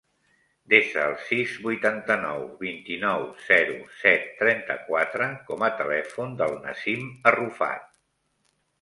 Desa el sis, vuitanta-nou, vint-i-nou, zero, set, trenta-quatre com a telèfon del Nassim Arrufat.